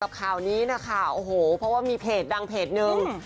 ข่าวนี้นะคะโอ้โหเพราะว่ามีเพจดังเพจนึง